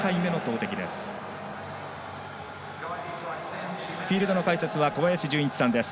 フィールドの解説は小林順一さんです。